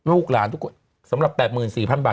ลูกหลานทุกคนสำหรับ๘๔๐๐บาท